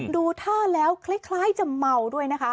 ดูท่าแล้วคล้ายจะเมาด้วยนะคะ